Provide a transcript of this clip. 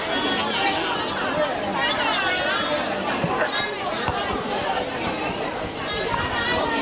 อิ๊นตาะอัลวงหนู